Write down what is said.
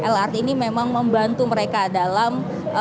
lrt ini memang membantu mereka dalam